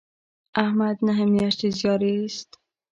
احمد نهه میاشتې زیار ایست.